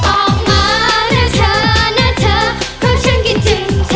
ออกมาหน้าเผือนหน้าเผือนเพราะฉันกระจึงเธอ